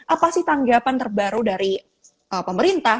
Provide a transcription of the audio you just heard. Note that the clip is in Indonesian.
apa sih tanggapan terbaru dari pemerintah